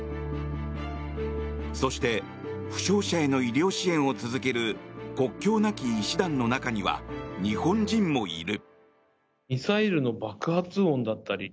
そして負傷者への医療支援を続ける国境なき医師団の中には日本人もいる。